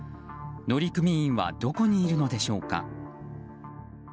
乗組員はどこにいるのでしょうか。